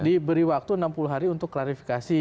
diberi waktu enam puluh hari untuk klarifikasi